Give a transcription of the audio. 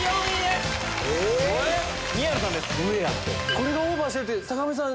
これがオーバーしてるって坂上さん